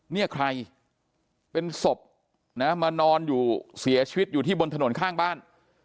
เนี่ยใครเป็นศพนะมานอนอยู่เสียชีวิตอยู่ที่บนถนนข้างบ้าน